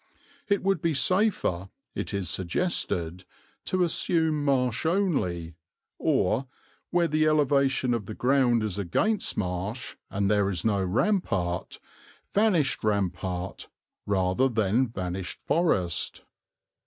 It would be safer, it is suggested, to assume marsh only or, where the elevation of the ground is against marsh and there is no rampart, vanished rampart, rather than vanished forest.